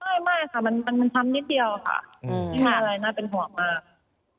มันมันมันช้ำนิดเดียวค่ะอืมค่ะไม่มีอะไรน่าเป็นห่วงมาก